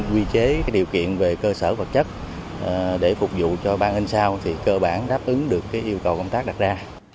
quy chế điều kiện về cơ sở vật chất để phục vụ cho ban in sao thì cơ bản đáp ứng được yêu cầu công tác đặt ra